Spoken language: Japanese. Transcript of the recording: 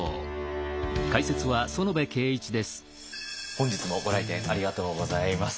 本日もご来店ありがとうございます。